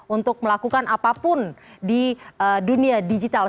untuk melakukan apapun di dunia digital